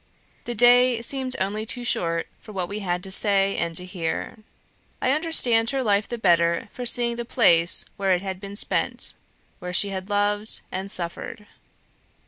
The day seemed only too short for what we had to say and to hear. I understood her life the better for seeing the place where it had been spent where she had loved and suffered.